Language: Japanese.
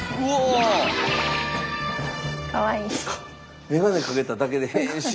かわいい。